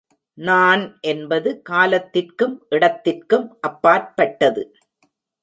நான் என்பது காலத்திற்கும் இடத்திற்கும் அப்பாற்பட்டது.